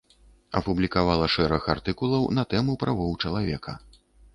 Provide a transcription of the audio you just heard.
Апублікавала шэраг артыкулаў на тэму правоў чалавека.